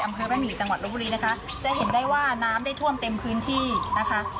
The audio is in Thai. อำเภอแม่หมี่จังหวัดลบบุรีนะคะจะเห็นได้ว่าน้ำได้ท่วมเต็มพื้นที่นะคะ